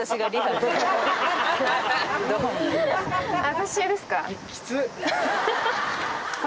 私ですか？